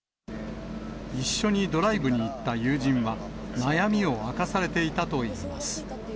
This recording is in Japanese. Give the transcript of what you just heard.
一緒にドライブに行った友人は、悩みを明かされていたといいます。